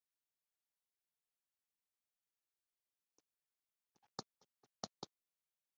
agomba gutegura raporo za buri mwaka zishyikirizwa biro politiki